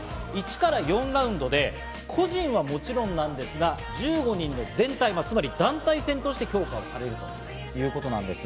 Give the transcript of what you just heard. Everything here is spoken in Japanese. １から４ラウンドで個人はもちろんなんですが、１５人の全体、つまり団体戦として評価されるということなんです。